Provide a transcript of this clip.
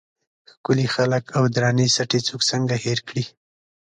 ښکلي خلک او درنې سټې څوک څنګه هېر کړي.